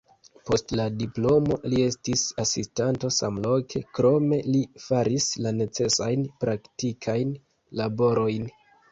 Post la diplomo li estis asistanto samloke, krome li faris la necesajn praktikajn laborojn.